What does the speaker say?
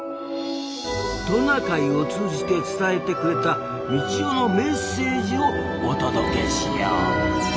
トナカイを通じて伝えてくれたミチオのメッセージをお届けしよう。